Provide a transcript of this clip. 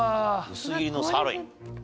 薄切りのサーロイン。